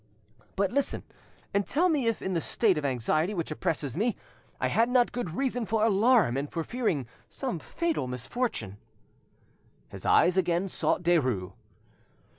But listen, and tell me if in the state of anxiety which oppressed me I had not good reason for alarm and for fearing some fatal misfortune." His eyes again sought Derues.